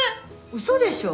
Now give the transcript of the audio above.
嘘でしょう？